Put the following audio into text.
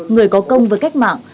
người có công và cách mạng